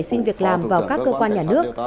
xin việc làm vào các cơ quan nhà nước